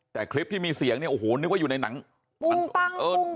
แต่คลิปที่มีเสียงเนี่ยโอ้โหนึกว่าอยู่ในหนังปัง